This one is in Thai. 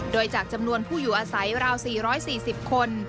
โดยจากจำนวนผู้อยู่อาศัยราว๔๔๐คน